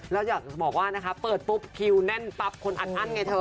แล้วอยากจะบอกว่านะคะเปิดปุ๊บคิวแน่นปั๊บคนอัดอั้นไงเธอ